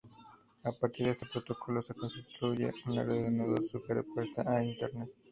A partir de este protocolo se construye una red de nodos superpuesta a Internet.